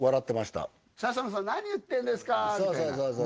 笹野さん何言ってんですかそうそう